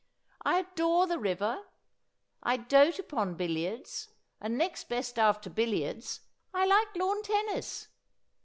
I adore the river ; I doat upon billiards ; and next best after billiards I like lawn tennis.